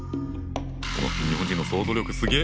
日本人の想像力すげぇ！